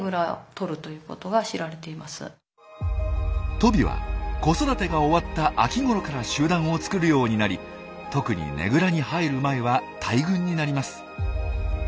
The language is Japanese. トビは子育てが終わった秋頃から集団を作るようになり特にねぐらに入る前は大群になります。